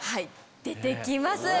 出て来ます。